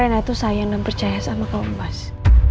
rena tuh sayang dan percaya sama kamu mas